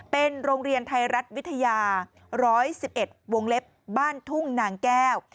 เป็นโรงเรียนไทยรัฐวิทยา๑๑๑วงเล็บบ้านทุ่งนางแก้ว